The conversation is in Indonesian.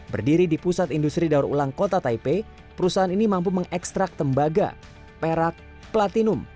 berdiri di pusat industri daur ulang kota taipei perusahaan ini mampu mengekstrak tembaga perak platinum